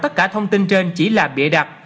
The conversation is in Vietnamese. tất cả thông tin trên chỉ là bịa đặt